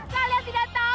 kalian tidak tahu